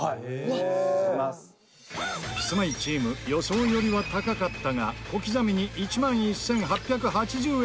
キスマイチーム予想よりは高かったが小刻みに１万１８８０円で購入。